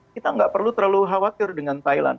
kita nggak perlu terlalu khawatir dengan thailand